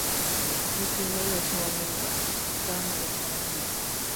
El primero y el segundo lugar clasificaron directo a la final.